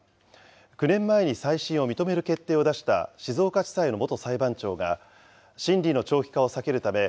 ９年前に再審を認める決定を出した静岡地裁の元裁判長が、審理の長期化を避けるため、